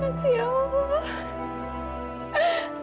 makasih ya allah